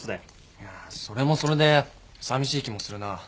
いやそれもそれでさみしい気もするな。